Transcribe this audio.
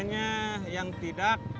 jadinya yang tidak